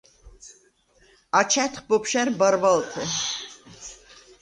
აჩა̈დხ ბოფშა̈რ ბარბალთე.